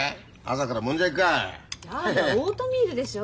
やだオートミールでしょ。